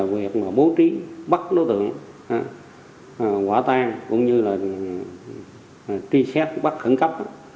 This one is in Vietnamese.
quy hợp bố trí bắt đối tượng quả tan cũng như là truy xét bắt khẩn cấp